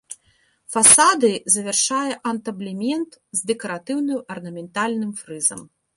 Фасады завяршае антаблемент з дэкаратыўным арнаментальным фрызам.